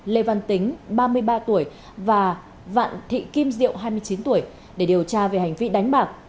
lê văn tính ba mươi ba tuổi và vạn thị kim diệu hai mươi chín tuổi để điều tra về hành vi đánh bạc